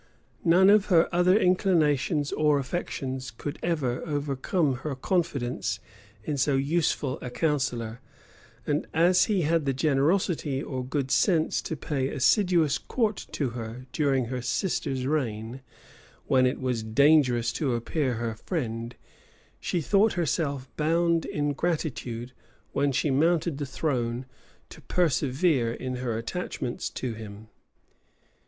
None of her other inclinations or affections could ever overcome her confidence in so useful a counsellor; and as he had had the generosity or good sense to pay assiduous court to her during her sister's reign, when it was dangerous to appear her friend, she thought herself bound in gratitude, when she mounted the throne, to persevere in her attachments to him.